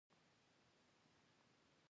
ماشين کې پرېوتم.